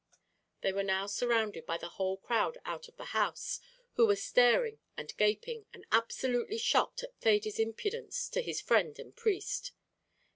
They were now surrounded by the whole crowd out of the house, who were staring and gaping, and absolutely shocked at Thady's impudence to his friend and priest.